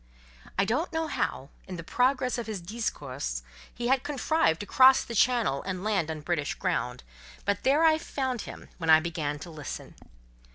I don't know how, in the progress of his "discours," he had contrived to cross the Channel and land on British ground; but there I found him when I began to listen.